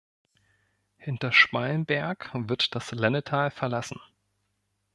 Hinter Schmallenberg wird das Lennetal verlassen.